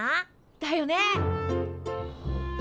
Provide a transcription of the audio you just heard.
だよね！